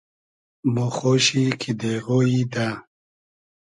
مۉ خۉشی کی دېغۉیی دۂ